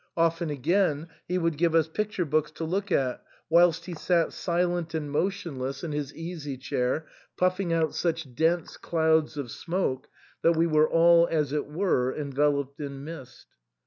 Often, again, he would give us picture books to look at, whilst he sat silent and motionless in his easy chair, pufl&ng out such dense clouds of smoke that we were all as it were enveloped in mist.